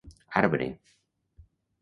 Arbre: